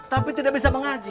tapi tidak bisa mengaji